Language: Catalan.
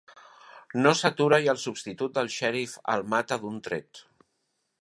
No s'atura i el substitut del xèrif el mata d'un tret.